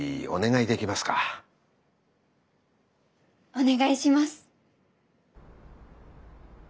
お願いします。